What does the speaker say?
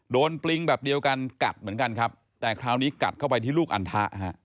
ปลิงแบบเดียวกันกัดเหมือนกันครับแต่คราวนี้กัดเข้าไปที่ลูกอันทะฮะ